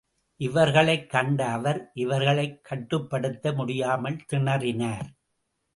இவற்றைக் கண்ட அவர் இவர்களைக் கட்டுப்படுத்த முடியாமல் திணறினார்.